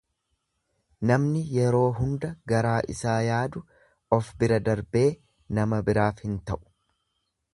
Namni yeroo hunda garaa isaa yaadu of bira darbee nama biraaf hin ta'u.